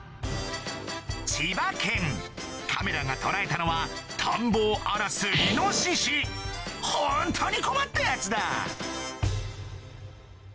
千葉県カメラが捉えたのは田んぼを荒らすイノシシホントに困ったやつだ